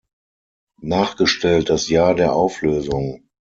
Nachgestellt das Jahr der Auflösung.